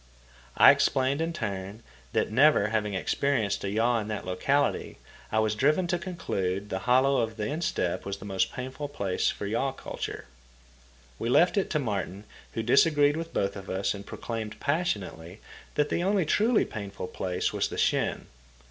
I explained, in turn, that, never having experienced a yaw in that locality, I was driven to conclude the hollow of the instep was the most painful place for yaw culture. We left it to Martin, who disagreed with both of us and proclaimed passionately that the only truly painful place was the shin.